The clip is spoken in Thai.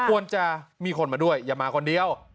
ควรจะมีคนมาด้วยอย่ามาคนเดียว